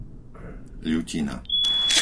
Ľutina